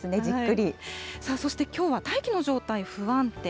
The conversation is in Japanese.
そしてきょうは、大気の状態不安定。